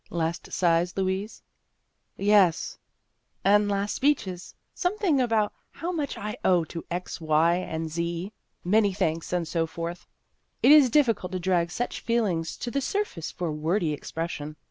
" Last sighs, Louise ?"" Yes, and last speeches something about how much I owe to x, y, and z t many thanks and so forth. It is difficult to drag such feelings to the surface for wordy expression.